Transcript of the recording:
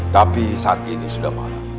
tapi saat ini sudah malam